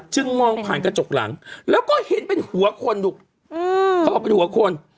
มองผ่านกระจกหลังแล้วก็เห็นเป็นหัวคนดูเขาบอกเป็นหัวคน